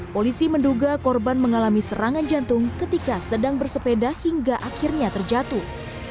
polisi menduga korban mengalami serangan jantung ketika sedang bersepeda hingga akhirnya terjatuh